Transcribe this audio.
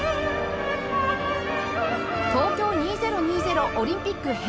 東京２０２０オリンピック